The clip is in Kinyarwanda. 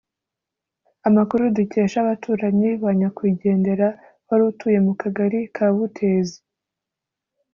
Amakuru dukesha abaturanyi ba nyakwigendera wari utuye mu Kagari ka Butezi